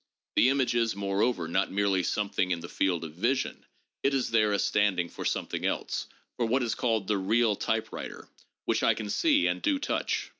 The image is, moreover, not merely something in the field of vision ; it is there as standing for something else, — for what is called the real typewriter, which I can see and do touch.